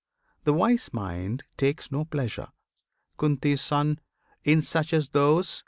The wise mind takes no pleasure, Kunti's Son! In such as those!